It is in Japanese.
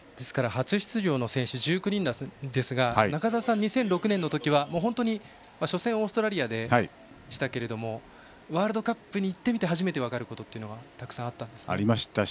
初出場の選手が１９人ですが中澤さん、２００６年の時は初戦オーストラリアでしたけどワールドカップに行ってみて初めて分かることがたくさんありましたか。